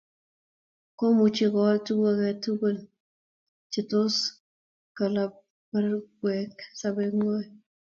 Komuchoi kwal tukk ake tukul che tos kalab barak sobengwai